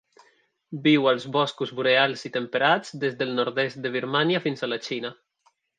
Viu als boscos boreals i temperats des del nord-est de Birmània fins a la Xina.